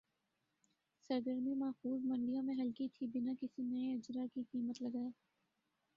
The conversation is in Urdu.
سرگرمی ماخوذ منڈیوں میں ہلکی تھِی بِنا کسی نئے اجراء کی قیمت لگائے